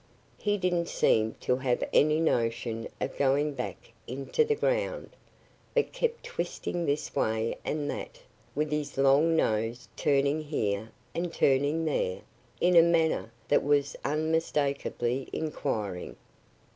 He didn't seem to have any notion of going back into the ground, but kept twisting this way and that, with his long nose turning here and turning there, in a manner that was unmistakably inquiring.